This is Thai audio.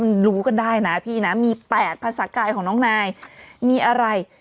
มันรู้กันได้นะพี่นะมี๘ภาษากายของน้องนายมีอะไร